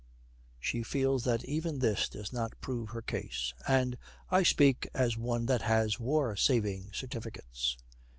She feels that even this does not prove her case. 'And I speak as one that has War Savings Certificates.'